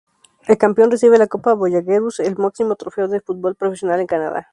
El campeón recibe la Copa Voyageurs, el máximo trofeo de fútbol profesional en Canadá.